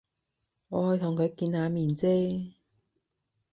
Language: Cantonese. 我去同佢見下面啫